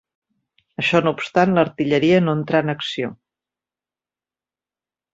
Això no obstant, l'artilleria no entrà en acció